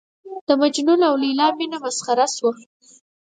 د مجنون او لېلا مینه مسخره شوه.